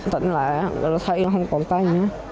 tỉnh lại rồi thấy không còn tay nữa